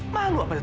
malu apa jadi